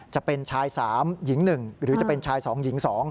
จะเป็นชาย๓หญิง๑หรือจะเป็นชาย๒หญิง๒